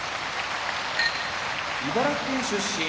茨城県出身